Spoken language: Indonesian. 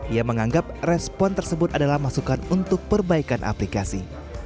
ia menganggap respon tersebut adalah masukan untuk perbaikan aplikasi